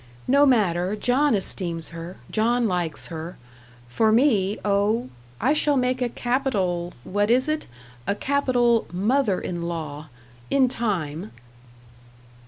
No matter: John esteems her John likes her. For me oh, I shall make a capital what is it? a capital MOTHER IN LAW in time!"